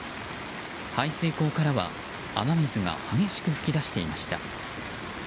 排水溝からは雨水が激しく噴き出していました。